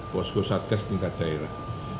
posko satgas tingkat daerah